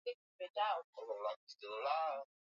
ya umaskini na ndiyo maana tumeamua ya kwamba kikao kama hi